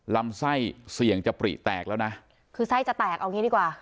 ลำไส้เสี่ยงจะปริแตกแล้วนะคือไส้จะแตกเอางี้ดีกว่า